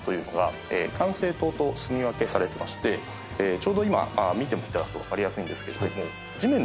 ちょうど今見てもらうと分かりやすいんですけれども。